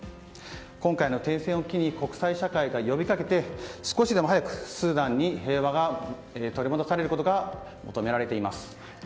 今回の停戦を機に国際社会が呼び掛けて少しでも早くスーダンに平和が取り戻されることが求められています。